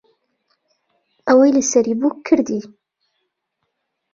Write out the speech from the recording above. ئەوەی لەسەری بوو کردی.